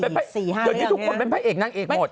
ทุกคนเป็นพยายามทุกคนเป็นพยายามนั่งเอก